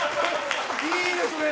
いいですね。